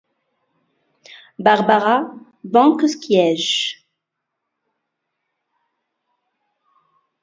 Barbara Bieńkowskiej.